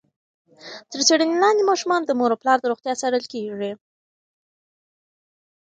تر څېړنې لاندې ماشومان د مور او پلار د روغتیا څارل کېږي.